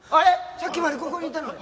さっきまでここにいたのに。